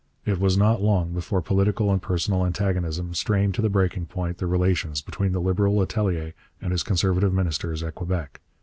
It was not long before political and personal antagonism strained to the breaking point the relations between the Liberal Letellier and his Conservative ministers at Quebec.